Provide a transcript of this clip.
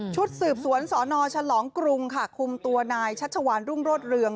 ชุดสืบสวนสนฉลองกรุงค่ะคุมตัวนายชัชวานรุ่งโรธเรือง